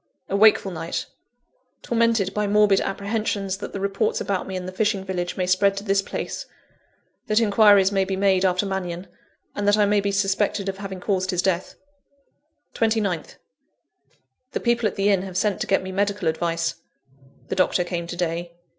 A wakeful night tormented by morbid apprehensions that the reports about me in the fishing village may spread to this place; that inquiries may be made after Mannion; and that I may be suspected of having caused his death. 29th. The people at the inn have sent to get me medical advice. The doctor came to day.